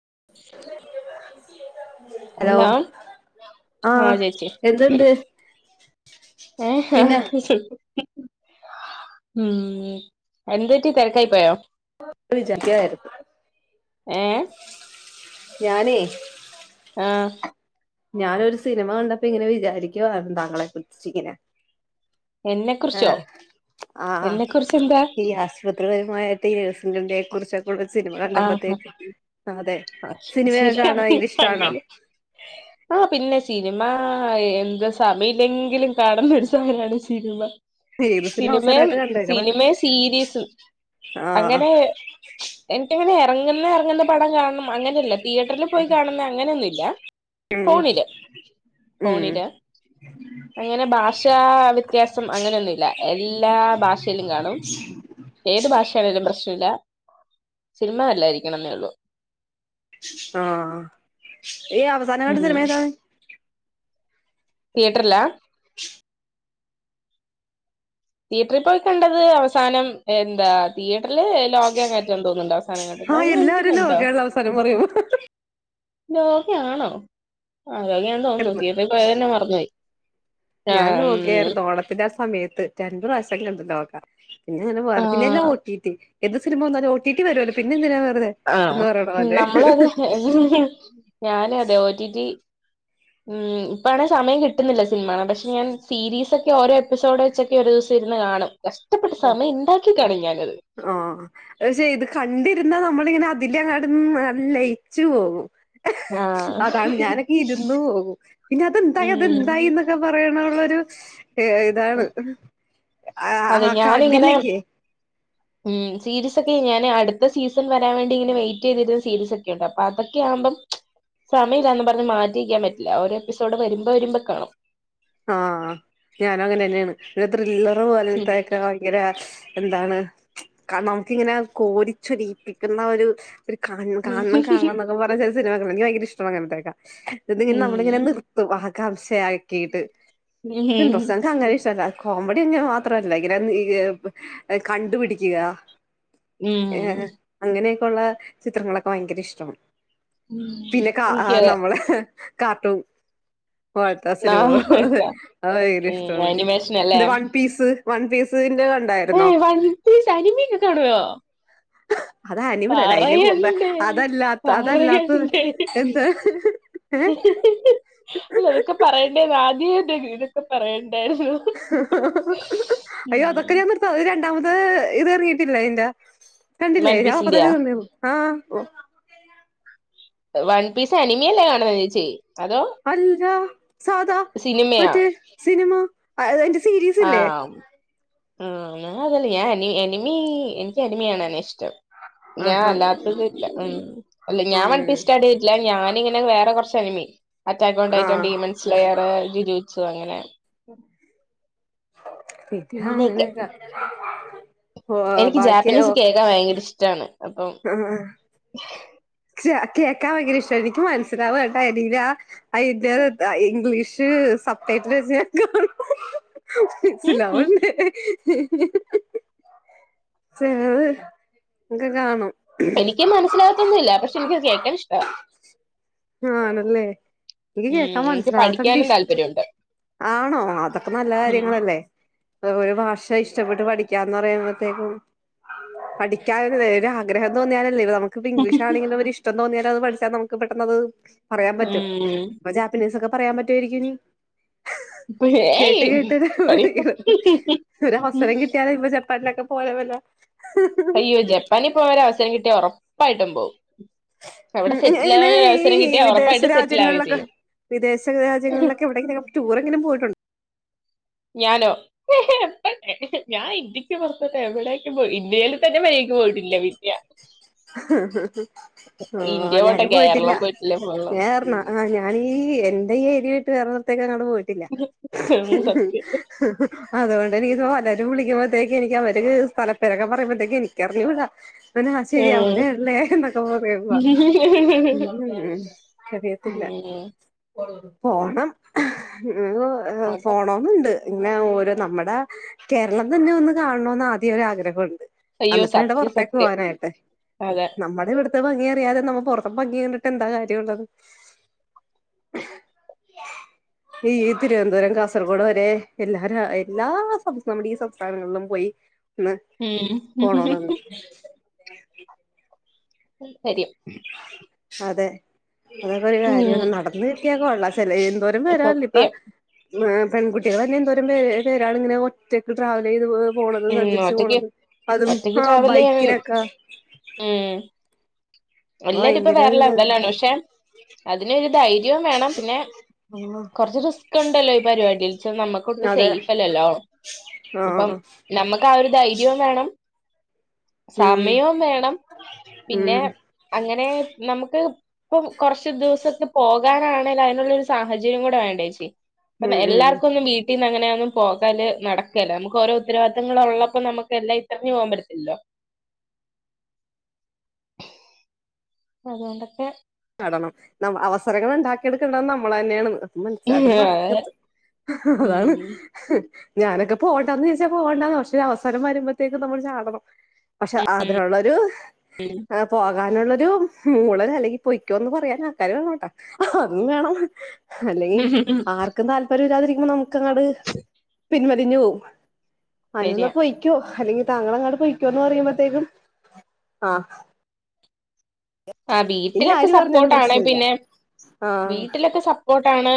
[unintelligible] Hello ആ ആഹ് ചേച്ചിയെ എന്തുണ്ട് ഏഹ് പിന്നെ ആഹ് ഉ എന്ത്‌ പറ്റി തെരക്കായി പോയോ ചാരി [unintelligible] ച്ചായിരുന്നു ഏഹ് ഞാനേ ആഹ് ഞാനൊരു സിനിമ കണ്ടപ്പോ ഇങ്ങനെ വിചാരിക്കുവായിരുന്നു താങ്കളെ കുറിച്ച് ഇങ്ങനെ എന്നെ കുറിച്ചോ ആഹ ആ എന്നെ കുറിച്ച് എന്താ ഈ ആശുപത്രികരുമായിട്ട് ന്റെ കുറിച്ചൊക്കൊള്ള സിനിമ ആ കണ്ടപ്പത്തേക്ക് അതെ ആ, സിനിമയൊക്കെ ശരിയാ കാണാൻ ഭയങ്കര ഇഷ്ടാണോ പറെ ആ പിന്നെ സിനിമ എന്താ സമയില്ലെങ്കിലും കാണുന്ന ഒരു സാനാണ് സിനിമ ഏത് സിനിമ സിനിമയ അവസാനമായിട്ട് കണ്ടേക്കണെ സിനിമെ സീരീസും ആഹ് അങ്ങനെ എ അങ്ങനെ എറങ്ങുന്ന പടം കാണണം അങ്ങനെയല്ല തിയേറ്ററിൽ പോയി കാണുന്ന അങ്ങനെയൊന്നുമില്ല ഉം ഉം ഫോണിലാ അങ്ങനെ ഭാഷ വ്യത്യാസം അങ്ങനെയൊന്നുല്ല എല്ലാ ഭാഷേലും കാണും ഏത് ഭാഷയാണേലും പ്രശ്ന ഇല്ല സിനിമ നല്ലായിരിക്കണംന്നേ ഉള്ളു ആഹ നീ അവസാനങ്ങണ്ട ഉം സിനിമയേതാണ് തിയേറ്റർലാ തീയറ്ററിൽ പോയി കണ്ടത് അവസാനം എന്താ തിയേറ്ററില് ലോകേ ണ് ന്ത തോന്നുന്നുണ് ണ്ട് അവസാനം കണ്ടത് അത് ആഹ് കഴിഞ്ഞിട്ടും എല്ലാവരും കണ്ടാ ലോകേള്ള അവസാനം പറയുമ്പോ ലോക ആണോ ആ അതേന്ന് തോന്നുന്നു ആയിരുന്നു തിയേറ്ററിൽ പോയ തന്നെ മറന്ന് പോയി ആ ഞാൻ ലോകയായിരുന്നു ഓണത്തിന്റെ ആ സമയത്ത് രണ്ട് പ്രാവശ്യം കണ്ട് ലോക പിന്നെ അങ്ങനെ വെറുതന്നെല്ലാം ആഹ് ഓട്ടിട്ടി ഏത് സിനിമ വന്നാലും ഒ ടി ടി വരു അല്ലോ പിന്നെന്തിന ആഹ നമ്മളതെ ഞാനും അതെ ഒ ടി ടി ഉം ഇപ്പാണെ സമയം കിട്ടുന്നില്ല സിനിമാണ് പക്ഷെ ഞാൻ സീരീസൊക്കെ ഓരോ എപ്പിസോഡ് വെച്ചൊക്കെ ഒരു ഇരുന്ന് കാണും കഷ്ടപ്പെട്ട് ഓ സമയം ഇണ്ടാക്കി കാണും ഞാനത് പക്ഷെ ഇത് കണ്ടിരുന്ന നമ്മളിങ്ങനെ അതിന്റെങ്ങാടന്ന ന ലയിച്ചു പോകും ആഹ് അതാണ് ഞാനൊക്കെ ഇര്ന്ന് പോകും പിന്നെ അതെന്തായി അതെന്തായി ഉം എന്നൊക്കെ പറയണള്ള ഇതാണ് ആഹ് തിങ്ങനെ മം സീരീസ് ക്കെ ഞാൻ അടുത്ത സീസൺ വരാൻ വേണ്ടി ഇങ്ങനെ വെയിറ്റ് ചെയ്തിരുന്ന സീരീസ ഒക്കെണ്ടാകും അപ്പ അതൊക്കെ ആവുമ്പം സമയില്ലാന്ന് പറഞ്ഞ് മാറ്റിക്കാൻ പറ്റില്ല ഒരു എപ്പിസോഡ് വരുമ്പോ വരുമ്പോ കാണും ആഹ ഞാനും അങ്ങനെന്നെയാണ് ഒരു ത്രില്ലർ ഉം പോലത്തെക്കെ ഭയങ്കര എന്താണ് നമുക്കിങ്ങനെ കോരിച്ചൊരിപ്പിക്കുന്ന ഒരു ഒരു കാര്യം കാണണം കാണണം എന്നൊക്കെ പറയ് ചില സിനിമ എനിക്ക് ഭയങ്കര ഇഷ്ടാ അങ്ങനത്തേക്കാ ഇത് ഇങ്ങനെ നമ്മളിങ്ങനെ ഉം നിർത്തും ആകാംക്ഷയാക്കിയിട്ട് ഇന്റെരെസാണ് [unintelligible] അങ്ങനെ ഇഷ്ട കോമഡി ഞാൻ മാത്രല്ല ഇങ്ങനെ കണ്ടുപിടിക്കുക ഉം ഏർ അങ്ങനെയൊക്കെയൊള്ള ചിത്രങ്ങളൊക്കെ ഭയങ്കര ഇഷ്ടമാണ്. ഉം പിന്നെ കാ എനിക്ക് അതെ നമ്മളെ കാർട്ടൂൺ പോലെത്ത സിൻമക അത് ഭയങ്കര ഉം ഇഷ്ടമാണ് animation A one piece one പീസ്ന്റെ വൈബ് അനിമി ഒക്കെ കാണുവോ? അത് അനിമലല്ല അതിന്റെ മുമ്പേ പറയണ്ടേ അതല്ലാത്ത അതല്ലാത്തത് പറയണ്ടേ. എന്താ ഏ എങ്ങനെക്കെ പറയണ്ടേന്ന് ആദ്യ ഇതെ ഇതൊക്കെ പറയ ഉം അയ്യോ അതൊക്കെ ഞാൻ നിർത്താ അത് ര ന്നാമത് ഇത് ഇറങ്ങിട്ടില്ല ഇന്റെ കണ്ടില്ലേ? വൺ ഞാനപ്പ തന്നെ പീസിന്റെയാ തിന്നേന് ആഹ്. ട്ട [unintelligible] വൺ പീസ് അനിമിയ അല്ലെ കാണുന്നത് ചേച്ചി. അതോ അല്ല സാധാ, സിനിമയാ മറ്റേ സിനിമ അത് അതിൻ്റെ ആഹമ് ഉം ഞാ അതല്ലേ ഞാൻനി അനിമി എനിക്ക് അനിമകാണാന ഇഷ് ടം. ഞാൻ ആഹാ അല്ലാത്തത് ഇല്ല, ഉം അല്ല ഞാൻ ഉം വൻണ്ടി സ്റ്റാർട്ട് ചെയ്തിട്ടില്ല ഞാനിങ്ങനെ വേറെ കുറച്ച് റ്റെ അനിമി, അറ്റാക്ക് വൺ, ആ ടൈറ്റൻ ബീമൻസ് ലയർ, ലീ വീഡ്സ് അങ്ങനെ ഇത് അങ്ങനെയൊക്കെ അങ്ങനെയല്ല. എനിക്ക് ജാപ്പനീസ് കേക്കാൻ ഭയങ്കര ഇഷ്ടാണ്, അപ്പം ജ് കേക്കാൻ ഭയങ്കര ഇഷ്ട എനിക്ക് മനസ്സിലാവ എന്ന എതില ആ ഇന്ത്യടെ [unintelligible] ആ ഇംഗ്ലീഷ്. ഇത് സത്യാട്ട് വെച്ച [unintelligible] ഉം ഉം സിലാവുല്ലെ എ ഏ ചെലത് ക്കെ കാണും. എനിക്ക് മനസ്സിലാകത്തൊന്നുമില്ല പക്ഷെ എനിക്കത് കേൾക്കാൻ ഇഷ്ട. ആണല്ലേ എനിക്ക് കേക്കാൻ എനിക്ക് മനസിലാകാത്തോണ്ട് പഠിക്കാനും ഇഷ്ട താല്പര്യമുണ്ട് ആണോ, അതൊക്കെ നല്ല ഉം കാര്യങ്ങളല്ലേ? ഒ ഒര് ഭാഷ ഇഷ്ടപ്പെട്ട് പഠിക്കാന്ന് പറയുമ്പൊത്തേക്കും. പഠിക്കാനല്ലേ ഒരു ആഗ്രഹം തോന്നിയാലല്ലേ ഇത് നമുക്കിപ്പോ ഇംഗ്ലീഷ് ആണെങ്കിലും ഒരു ഇഷ്ടം തോന്നിയാ ട്ട് അത് പഠിച്ചാൽ നമുക്ക് പെട്ടെന്നത് പറയാൻ പറ്റും, ഉം ഇപ്പൊ ജാപ്പനീസ് ഒക്കെ പറയാൻ പറ്റുവായിരിക്കും ഇനി. ഏയ് കേട്ട് കേട്ട് ഒര് പഠി- ഇത് ഒരു അവസരം കിട്ടിയാല് ഇപ്പ ചെ പല്ലൊക്കെ പോയപോലെ. അയ്യോ, ജപ്പാനിൽ പോകാൻ ഒരു അവസരം കിട്ടിയ ഉറപ്പായിട്ടും പോവും. [unintelligible] ഈ കിട്ടിയാൽ വിദേശ ഉറപ്പായിട്ടും സെറ്റിൽ ആവുകയും രാജ്യങ്ങളിലൊക്കെ ചെയ്യും വിദേശ രാജ്യങ്ങളിലൊക്കെ എവിടെങ്ങ ടൂർ എങ്കിലും പോയിട്ടു ഞാനോ എപ്പ ഞാൻ ഇന്ത്യക്ക് പൊറത്തോട്ട് എവിടേക്കും പോയി ഇന്ത്യലും തന്നെ മരിയാക്ക് പോയിട്ടില്ല പിന്ന്യാ. ആഹ് ഇന്ത്യ പോട്ടെ ഞാനും പോയിട്ടില്ല, കേരളം പോകണം ഞാ എർണാ ഉം. ആ ഞാനീ ഈ എന്റെ ഏരിയ വിട്ട് വേറെ ഒരിടത്തേക്കങ്ങട് പോയിട്ടില്ല. ഉം, സത്യം അതുകൊണ്ട് എനിക്കിപ്പോ പലരും വിളിക്കുമ്പത്തേക്ക് എനിക്ക് അവര്ക്ക് സ്ഥലപ്പേരൊക്കെ പറയുമ്പത്തേക്കും എനിക്കറിഞ്ഞൂടാ. പിന്നെ ആ ശെരി ഉം. അവിടെ ഉള്ളേ എന്നൊക്കെ [unintelligible] മ് ഉം അറിയത്തില്ല ഉം. [inaudible] പോണം, [unintelligible] അതാ പോണോന്നുണ്ട്. ഇന്നെ ഓരോ നമ്മടെ കേരളം തന്നെ ഒന്ന് കാണണോന്ന് ആദ്യം ഒരാഗ്രഹോണ്ട്. അയ്യോ അന്നിട്ട് വേണ്ടേ സത്യം പുറത്തേക്ക് സത്യം പോകാനായിട്ട് അതെ നമ്മടെ ഇവിടു ത്തെ ഭംഗി അറിയാതെ നമ്മ പൊറത്ത് ഭംഗി കണ്ടിട്ട് എന്താ കാര്യം ഒള്ളത്. ഈ തിരുവനന്തപുരം കാസർഗോഡ് വരെ എല്ലാരു അ എല്ലാ നമ്മുക്ക് നമ്മുടെ ഈ സംസ്ഥാനങ്ങളിലും പോയി മ് പോണോ [unintelligible] ശെരിയ. അതെ അതൊക്കെ ഒരു കാര്യാണ് ഉം നടന്ന് കിട്ടിയാ കൊള്ളാ. ചെല എന്തോരും പേരല്ലേ ഇപ്പ സത്യം പെൺകുട്ടികൾ തന്നെ എന്തോരം പേര് പേരാണിങ്ങനെ ഒറ്റയ്ക്ക് ട്രാവൽ ചെയ്ത് പോണത് ഉം സഞ്ചരിച്ചു ഒറ്റക്ക് പോണത് അതും ഒറ്റക്ക് ഹാ ട്രാവൽ ചെയ്യാൻ ബൈക്കിലൊക്കെ ഉം എല്ലാരും ഇപ്പേ ഭയങ്കര വേറെ ഇതായിരുന്നു ലെവലാണ് പക്ഷെ അതിനരു ധൈര്യവും വേണം പിന്നെ ആഹ് കൊറച്ച് റിസ്ക് ഇണ്ടല്ലോ ഈ പരിപാടി ച്ച് നമുക്കൊട്ട് അതെ സേഫ് അല്ലല്ലോ ഇപ്പം ആഹ് നമ്മക്ക് ആ ഒരു ധൈര്യവും വേണം ഉം സമയവും വേണം ഉം പിന്നെ അങ്ങനെ നമുക്ക് ഇപ്പം കുറച്ചു ദിവസൊക്കെ പോകാനാണേല് അതിനുള്ളൊരു സാഹചര്യം കൂടെ വേണ്ടേച്ചി. പറഞ്ഞ ഉം ഉം എല്ലാർക്കും ഒന്നും വീട്ടീന്ന് അങ്ങനെയൊന്നും പോകല് നടക്കേല. നമുക്ക് ഓരോ ഉത്തരവാദിത്തങ്ങൾ ഉള്ളപ്പോ നമുക്ക് എല്ലാം ഇട്ടെറിഞ്ഞ് പോവാൻ പറ്റത്തില്ലല്ലോ. അതുകൊണ്ടൊക്കെ നടണം. ഇന്ന അവസരങ്ങൾ ഉണ്ടാക്കിയെടുക്കേണ്ടത് നമ്മൾ തന്നെയാണ്. മനസ് അത് മറക്കരുത്. അതാണ് ഉം ഞാനൊക്കെ പോകണ്ടാന്ന് വിചാരിച്ചാ പോകണ്ടാന്ന. പക്ഷേ അവസാനം വരുമ്പോഴത്തേക്ക് നമ്മള് ചാടണം. പക്ഷെ അതിനുള്ളൊരു പോകാനുള്ളൊരു മൂളൽ അല്ലെങ്കി പൊയ്ക്കോന്ന് പറയാൻ ആൾക്കാര് വേണോട്ടാ. അതും വേണം അല്ലെങ്കി ആർക്കും താല്പര്യം ഇല്ലാതിരിക്കുമ്പോ നമുക്ക് അങ്ങട് പിൻവലിഞ്ഞു പോകും. അതിനെന്താ ശരിയാ പൊയ്ക്കോ അല്ലെങ്കി താങ്കൾ അങ്ങട് പൊയ്ക്കോന്ന് പറയുമ്പോത്തേക്കും ആ ആ വീട്ടിലൊക്കെ പറഞ്ഞാലും സപ്പോർട്ടാണ് പ്രശ്നമില്ല പിന്നെ ആഹ് വീട്ടിലൊക്കെ സപ്പോർട്ടാണ്.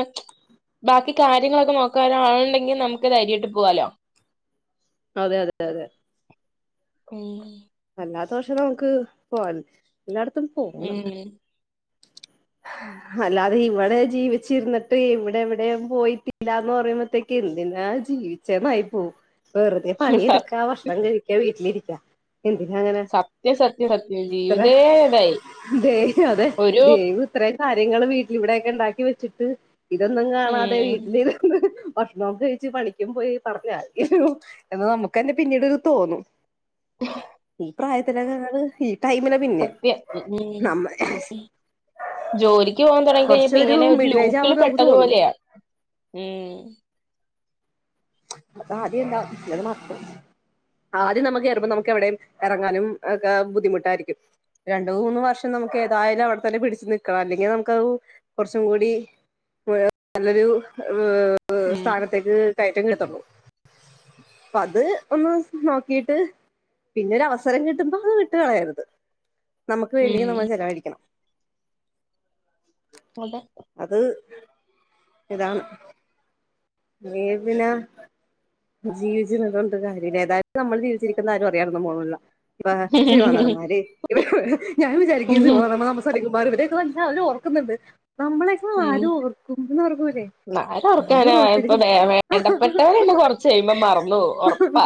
ബാക്കി കാര്യങ്ങളൊക്കെ നോക്കാൻ ആളുണ്ടെങ്കി നമുക്ക് ധൈര്യായിട്ട് പോവാലോ. അതെ അതെ അതെ ഉം ഇല്ലാത്തപക്ഷം നമുക്ക് പോവായിരുന്നു. എല്ലായിടത്തും പോണം ഉം അല്ലാതെ ഇവിടെ ജീവിച്ചിരുന്നിട്ട് ഇവിടെ എവിടെയും പോയിട്ടില്ലാന്ന് പറയുമ്പഴത്തേക്ക് എന്തിനാ ജീവിച്ചേന്നായി പോവും. വെറുതെ പണിയെടുക്കാ. ഭക്ഷണം കഴിക്കാ. വീട്ടിലിരിക്കാ എന്തിനാ അങ്ങനെ സത്യം സത്യം സത്യം ഇത്ര ജീവിതേ ഇതായി അതെ ഒരു ദൈവം ഇത്രയും കാര്യങ്ങള് വീട്ടില് ഇവിടെക്കെ ഇണ്ടാക്കി വെച്ചിട്ട് ഇതൊന്നും കാണാതെ ഉം വീട്ടില് ഇരുന്ന് ഭക്ഷണൊക്കെ കഴിച്ചു പണിക്കും പോയി പറഞ്ഞാരെങ്കിലും എന്ന് നമുക്കന്നെ പിന്നീടൊന്ന് തോന്നും. പ്രായത്തിലൊക്കങ്ങട് ഈ ടൈമിലാ പിന്നെം സത്യം ഉം നമ്മ ജോലിക്ക് പോവാൻ തുടങ്ങി കഴിഞ്ഞപ്പെ കുറച്ചൊരു ഇങ്ങനെ ഒരു മിഡിൽ ഏജ് ലൂപ്പില് ആവുമ്പോ നമുക്ക് പെട്ടത് തോന്നും പോലെയാ. ഉം അതാദ്യം ഉണ്ടാവും പിന്നെ അത് മറക്കും ആദ്യം നമ്മ കേറുമ്പോ നമുക്ക് എവിടെയും എറങ്ങാനും ഒക്കെ ബുദ്ധിമുട്ടായിരിക്കും. രണ്ടു മൂന്നു വർഷം ന മുക്ക് ഏതായാലും അവിടെത്തന്നെ പിടിച്ച് നിക്കണം. അല്ലെങ്കി നമുക്കത് കുറച്ചും കൂടി വേറെ നല്ലൊരു വേ ഉം സ്ഥാനത്തേക്ക് കയറ്റം കിട്ടൊള്ളൂ. അപ്പ അത് ഒന്ന് നോക്കീട്ട് പിന്നെ ഒരു അവസരം കിട്ടുമ്പോ അത് വിട്ട് കളയരുത്. നമുക്ക് വേണ്ടിയും നമ്മൾ ഉം ചെലവഴിക്കണം. അതെ അത് ഇതാണ്. വേ പിന്നാ ജീവിച്ചിരുന്നതോണ്ട് കാര്യല്ല. ഏതായാലും നമ്മള് ജീവിച്ചിരിക്കുന്ന ആരും അറിയാനൊന്നും പോണ്ല. ഇപ്പ സിനിമാ നടന്മാര് ഇവര് ഞാൻ വിചാരിക്കും സിനിമ ഉം നടന് നമ സലിം കു മാറ് ഇവരൊക്കെല്ലാവരും ഓർക്കുന്നുണ്ട്. നമ്മളെക്ക ആര് ഓർക്കും എന്നോർക്കൂല്ലേ ആരോർക്കാനാ. ഇപ്പൊ വേ വേണ്ടപ്പെട്ടവരന്നെ കൊറച്ച് കഴിയുമ്പോ മറന്നു പോവും. ഒറപ്പാ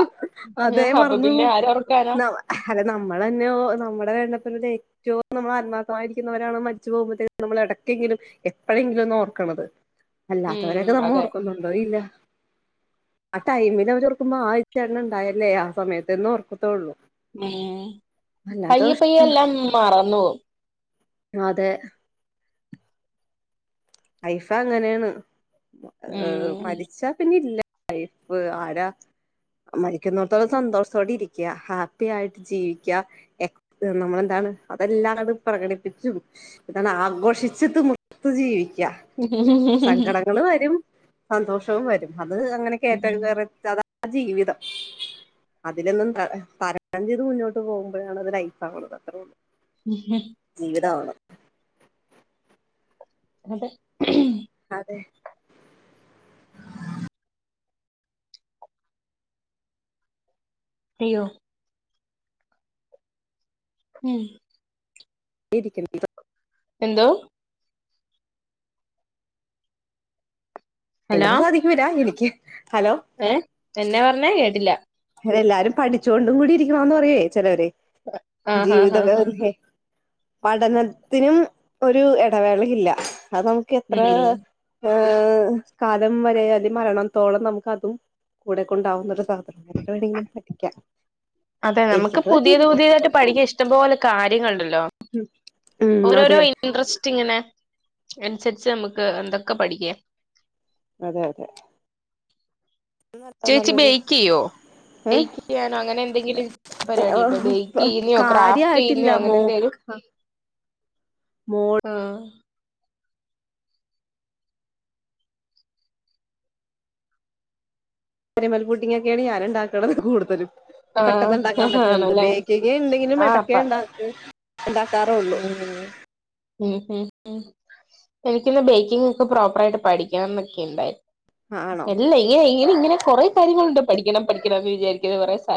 അതെ അപ്പൊ മറന്നു പിന്നെ പോവും. ആരൊർക്കാനാ ന അല്ല നമ്മളെന്നെ നമ്മടെ വേണ്ടപ്പെ അത് പോലെ ഏറ്റവും നമ്മൾ ആത്മാർത്ഥമായിരിക്കുന്നവരാണ് മരിച്ചു പോകുമ്പോത്തേനും നമ്മൾ എടക്കെങ്കിലും എപ്പഴെങ്കിലും ഒന്ന് ഓർക്കണത്. ഉം അല്ലാത്തവരൊക്കെ നമ്മെ അതെ ഓർക്കുന്നുണ്ടോ ഇല്ല. ആ ടൈമില് അവരെ ഓർക്കുമ്പോ ആ ഈ ചേട്ടൻ ഉണ്ടായല്ലേ ആ സമയത്ത് എന്ന് ഓർക്കത്തൊള്ളൂ. ഉം പയ്യെ പയ്യെ എല്ലാം മറന്നുപോവും. അതെ. ലൈഫങ്ങനെയാണ്. ഏ ഉം മരിച്ചാ പിന്നെ ഇല്ല. ലൈഫ് ആരാ മരിക്കുന്നിടത്തോളം സന്തോഷത്തോടെ ഇരി ക്കാ. ഹാപ്പി ആയിട്ട് ജീവിക്ക എ നമ്മളെന്താണ് അതെല്ലാങ്ങട് പ്രകടിപ്പിച്ചും ഇതാണ് ആഘോഷിച്ചിട്ട് നിർത്ത് ജീവിക്ക സങ്കടങ്ങള് വരും സന്തോഷവും വരും അത് അങ്ങനെ കേയറ്റ ഉം. കേറ അതാ ജീവിതം അതിലൊന്നും തരണം ചെയ്ത് മുന്നോട്ട് പോകുമ്പോഴാണ് അത് ലൈഫ് ആവണത് അത്രള്ളൂ ജീവിതാവണം എന്നിട്ട് അതെ അയ്യോ ഉം വിധിക്ക [unintelligible] എന്തോ എങ്ങനെ സാധിക്കുവൊ രാ എനിക്ക് ഹലോ ഏ എന്നാ പറഞ്ഞെ കേട്ടില്ല എല്ലാരും പഠിച്ചോണ്ടും കൂടി ഇരിക്കണന്ന് പറയേ ചിലവര് ആഹ് ആഹ് ആഹ് ജീവിതൊക്കെ പഠനത്തിനും ഒരു ഇടവേളയില്ല അത് നമുക്ക് എത്ര ഉം ഹ കാലം വരേ അല്ലെ മരണത്തോളം നമുക്ക് അതും കൂടെ കൊണ്ടാവുന്നൊരു സാ എത്ര വേണെയെങ്കിലും പഠിക്കാം അതെ നമുക്ക് എനിക്കിത് പറ്റൂല പുതിയത് പുതിയതായിട്ട് പഠിക്കൻ ഇഷ്ടംപോലെ കാര്യങ്ങൾ ഉണ്ടല്ലോ ഉം ഓരോരോ അതെ ഇൻട്രസ്റ്റ് ഇങ്ങനെ അനുസരിച്ച് നമുക്ക് എന്തൊക്കെ പഠിക്കാം അതെ അതെ ചേച്ചി നല്ലൊരു ബേക്ക് ചെയ്യോ ഏഹ് ബേക്ക് ചെയ്യാനോ അങ്ങനെ എന്തെങ്കിലും പരിപാടി ഉണ്ടോ ബേക്ക് ചെയ്യുന്നയോ ക്രാഫ്റ്റ് കാര്യായിട്ടില്ല ചെയ്യുന്നയോ അങ്ങനെ മോ എന്തെങ്കിലും മോൾ ആ കരാമൽ പുഡ്ഡിംഗ്ങ്ങൊക്കെയാണ് ഞാന ഉണ്ടാക്കണത് കൂടുതലും പെട്ടെന്ന് ആഹ് ഉണ്ടാക്കാൻ പറ്റണണ്ട് ആണല്ലേ ബേക്കിംഗ് എന്തെങ്കിലും ആഹ് അപ്പ ഇടക്ക് ഇണ്ടാക്ക ഇണ്ടാ ഉം ഉം ഉം എനിക്കിന്ന് ബേക്കിംഗ് ഒക്കെ പ്രോപ്പർയിട്ട് പഠിക്കാന്നൊക്കെ ഉണ്ടായി ആണോ അല്ല ഇങ്ങനെ ഇങ്ങനെ ഇങ്ങനെ കൊറെ കാര്യങ്ങളുണ്ട് പഠിക്കണം പഠിക്കണം എന്ന് വിചാരിക്കണ കുറെ സ